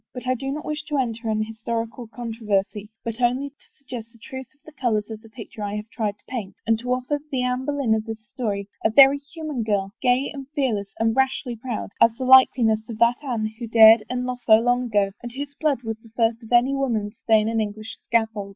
But I do not wish to enter an historical controversy but only to suggest the truth of the colors of the picture I have tried to paint, and to offer the Anne Boleyn of this story, a very human girl, gay and fearless and rashly proud, as the likeness of that Anne who dared ..• Vlll FOREWORD and lost so long ago and whose blood was the first of any Mroman's to stain an English scaffold.